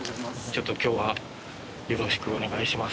ちょっと今日はよろしくお願いします。